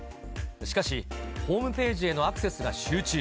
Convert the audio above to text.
しかし、ホームページへのアクセスが集中。